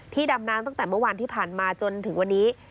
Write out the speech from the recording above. ดำน้ำตั้งแต่เมื่อวานที่ผ่านมาจนถึงวันนี้